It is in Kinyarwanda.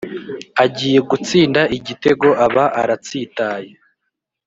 agiye gutsinda igitego aba aratsitaye.